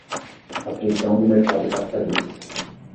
a prisão do mercado capitalista